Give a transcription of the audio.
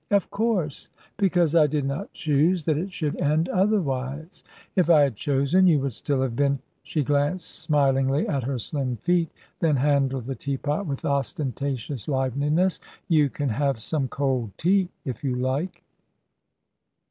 "Of course, because I did not choose that it should end otherwise. If I had chosen, you would still have been " She glanced smilingly at her slim feet, then handled the teapot with ostentatious liveliness. "You can have some cold tea, if you like."